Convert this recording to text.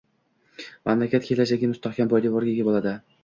mamlakat kelajagi mustahkam poydevorga ega bo‘ladi.